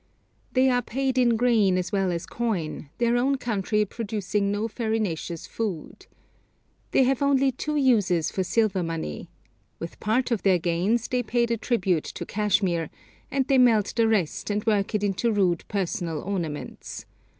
They are paid in grain as well as coin, their own country producing no farinaceous food. They have only two uses for silver money. With part of their gains they pay the tribute to Kashmir, and they melt the rest, and work it into rude personal ornaments.